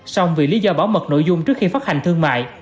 song vì lý do bảo mật nội dung trước khi phát hành thương mại